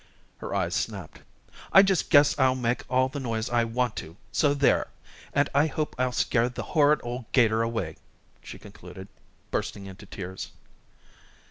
Her eyes snapped. "I just guess I'll make all the noise I want to, so there; and I hope I'll scare the horrid old 'gator away," she concluded, bursting into tears.